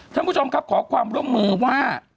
ท่านผู้ชมครับขอความร่วมมือว่า